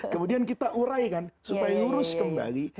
kemudian kita urai kan supaya lurus kembali